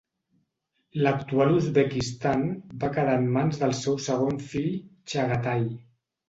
L'actual Uzbekistan va quedar en mans del seu segon fill, Txagatai.